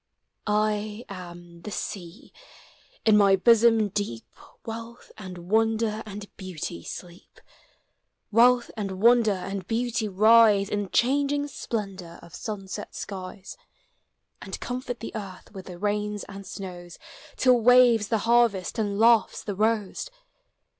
I am the Sea. In my bosom deep Wealth and Wonder and Beauty sleep; Wealth and Wonder and Beauty 1 rise In changing splendor of sunset skies. And comfort the earth with rains and snows Till waves the harvest and laughs the rose.